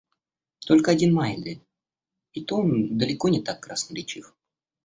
Только один Майдель, и то он далеко не так красноречив.